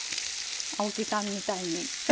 青木さんみたいに。